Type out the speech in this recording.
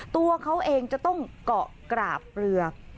ตัวเขาเองจะต้องเกาะกราบเรือ